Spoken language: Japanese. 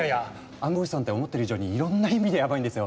暗号資産って思ってる以上にいろんな意味でヤバいんですよ。